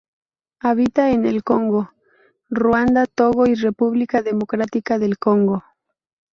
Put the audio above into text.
Habita en el Congo, Ruanda, Togo y República Democrática del Congo.